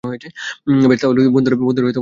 বেশ তাহলে, বন্ধুরা, আমার কাজ হয়ে গেছে।